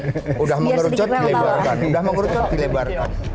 lebar udah mau kerucut lebar